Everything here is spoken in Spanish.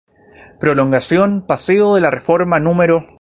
Prolongación Paseo de la Reforma No.